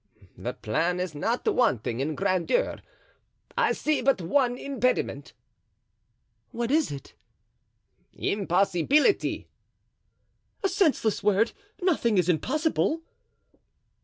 "The plan is not wanting in grandeur; I see but one impediment." "What is it?" "Impossibility." "A senseless word. Nothing is impossible."